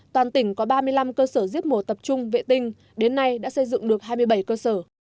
toàn tỉnh có ba mươi năm cơ sở giết mổ tập trung vệ tinh đến nay đã xây dựng được hai mươi bảy cơ sở